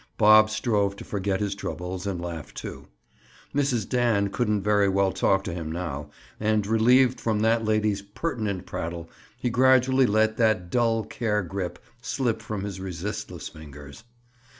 Bob strove to forget his troubles and laugh too. Mrs. Dan couldn't very well talk to him now, and relieved from that lady's pertinent prattle, he gradually let that "dull care grip" slip from his resistless fingers.